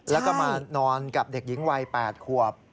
แล้วก็มานอนกับเด็กหญิงวัย๘ขวบ